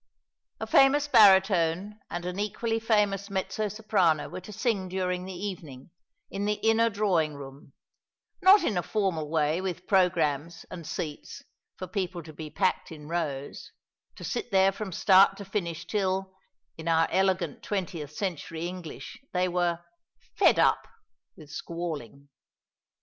A famous baritone and an equally famous mezzo soprano were to sing during the evening, in the inner drawing room, not in a formal way with programmes and rout seats, for people to be packed in rows, to sit there from start to finish till, in our elegant twentieth century English, they were "fed up" with squalling.